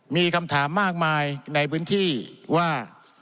มีคำถามมากมายในพื้นที่ว่า